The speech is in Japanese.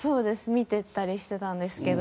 見てたりしてたんですけど。